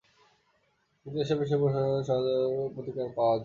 কিন্তু এসব বিষয়ে বিশ্ববিদ্যালয় প্রশাসনের কাছে অভিযোগ করে কোনো প্রতিকার পাওয়া যায়নি।